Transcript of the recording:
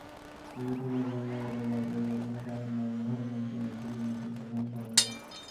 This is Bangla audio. এই পুনর্জন্মবাদে ভয় পাইবার কোন কারণ নাই, উহাই মানুষের নৈতিক উন্নতির প্রধান সহায়ক।